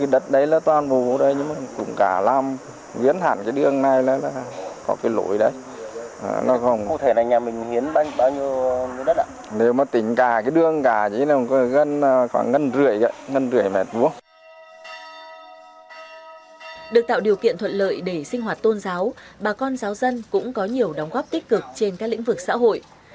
được tạo điều kiện thuận lợi để sinh hoạt tôn giáo bà con giáo dân cũng có nhiều đóng góp tích cực trên các lĩnh vực xã hội